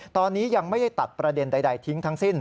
ตอนนี้ยังไม่ได้ตัดประเด็นใดทิ้งทั้งสิ้น